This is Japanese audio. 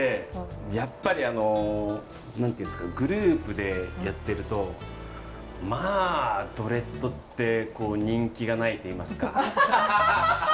やっぱり何て言うんですかグループでやってるとまあドレッドって人気がないといいますか。